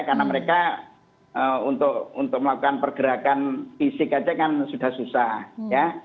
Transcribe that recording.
karena mereka untuk melakukan pergerakan fisik aja kan sudah susah ya